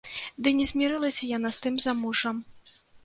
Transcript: Ды не змірылася яна з тым замужжам.